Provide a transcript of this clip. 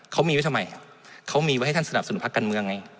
เขามีไว้ทำไมเขามีไว้ให้ท่านสนับสนุนพักการเมืองไง